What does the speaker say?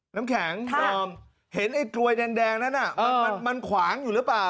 น้ำแข็งดอมเห็นไอ้กลวยแดงนั้นมันขวางอยู่หรือเปล่า